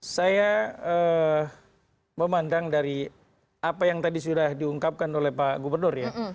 saya memandang dari apa yang tadi sudah diungkapkan oleh pak gubernur ya